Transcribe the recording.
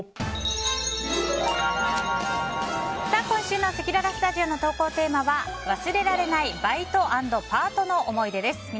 今週のせきららスタジオの投稿テーマは忘れられないバイト＆パートの思い出です。